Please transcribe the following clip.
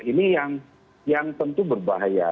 ini yang tentu berbahaya